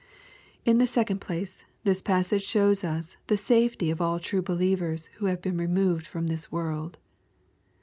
In the second place, this passage shows us the safety of all true believers who have been removed from this world.